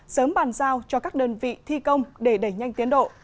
sớm bàn giao cho các đơn vị thi công để đẩy nhanh tiến độ